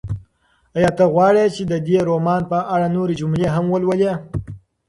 ایا ته غواړې چې د دې رومان په اړه نورې جملې هم ولولې؟